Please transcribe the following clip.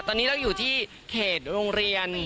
ตอนนี้เราอยู่ที่เขตโรงเรียน